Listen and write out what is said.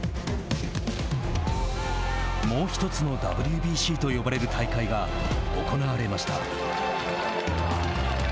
もう１つのＷＢＣと呼ばれる大会が行われました。